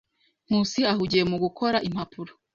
Nkusi ahugiye mu gukora impapuro.